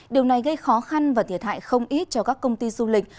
điều này gây khó khăn và thiệt hại không ít cho các công ty du lịch